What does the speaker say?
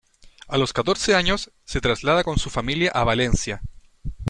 A los catorce años, se traslada con su familia a Valencia.